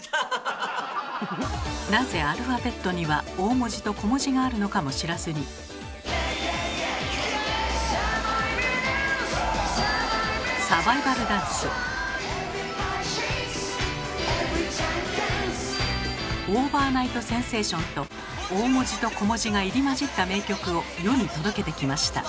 なぜアルファベットには大文字と小文字があるのかも知らずに。と大文字と小文字が入り交じった名曲を世に届けてきました。